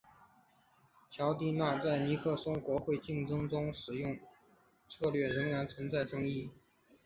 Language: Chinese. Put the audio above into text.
乔蒂纳在尼克松国会竞选中使用的策略仍然存在争议。